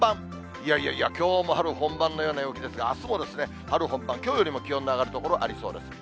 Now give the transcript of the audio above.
いやいやいや、きょうも春本番のような陽気ですが、あすも春本番、きょうよりも気温の上がる所ありそうです。